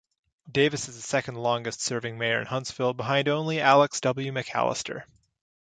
Davis is the second-longest serving mayor of Huntsville, behind only Alex W. McAllister.